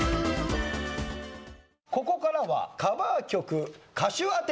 ここからはカバー曲歌手当て